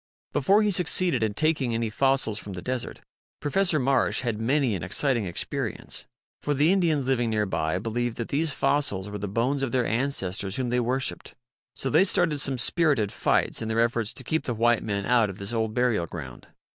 Before he succeeded in taking any f ossijs from the desert, Professor Marsh had many an exciting experience. For the Indians living near by believed that these fossils were the bones of their ancestors whom they worshiped. So they started some spirited fights in their efforts to keep the white men out of this old burial ground.